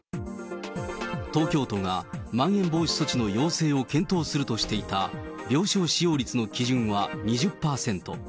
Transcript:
東京都がまん延防止措置の要請を検討するとしていた病床使用率の基準は２０％。